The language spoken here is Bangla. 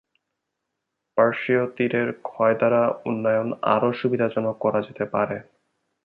পার্শ্বীয় তীরের ক্ষয় দ্বারা উন্নয়ন আরও সুবিধাজনক করা যেতে পারে।